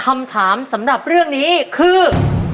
คำถามสำหรับเรื่องนี้คือ